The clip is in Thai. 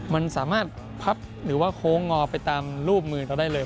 มันสามารถพับหรือว่าโค้งงอไปตามรูปมือเราได้เลย